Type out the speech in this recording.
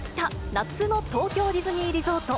夏の東京ディズニーリゾート。